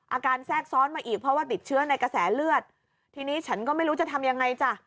แทรกซ้อนมาอีกเพราะว่าติดเชื้อในกระแสเลือดทีนี้ฉันก็ไม่รู้จะทำยังไงจ้ะ